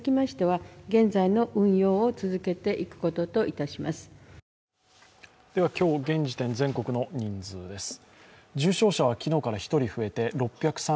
一方、東京都は今日、現時点の全国の人数です。